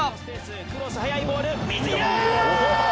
クロス速いボール。